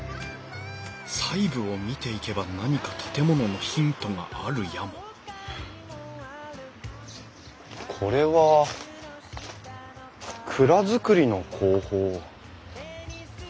細部を見ていけば何か建物のヒントがあるやもこれは蔵造りの工法。